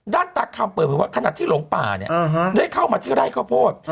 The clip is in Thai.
ด้านตากความเปลี่ยนว่าขนาดที่หลงป่าเนี่ยได้เข้ามาที่ไล่ข้าวโพด